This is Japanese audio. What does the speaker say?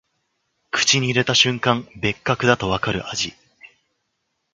口に入れた瞬間、別格だとわかる味